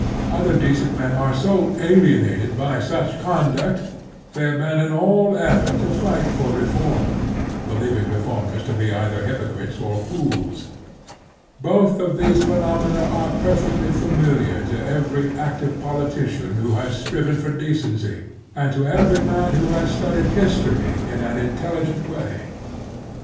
Other decent men are so alienated by such conduct that in their turn they abandon all effort to fight for reform, believing reformers to be either hypocrites or fools. Both of these phenomena are perfectly familiar to every active politician who has striven for decency, and to every man who has studied history in an intelligent way.